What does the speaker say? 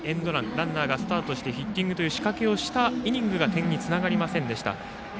ランナーがスタートしてヒッティングという仕掛けをしたイニングが点につながりませんでした。